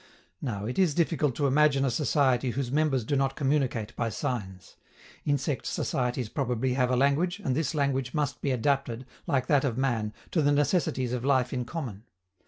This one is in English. Now, it is difficult to imagine a society whose members do not communicate by signs. Insect societies probably have a language, and this language must be adapted, like that of man, to the necessities of life in common.